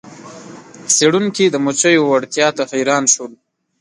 څیړونکي د مچیو وړتیا ته حیران شول.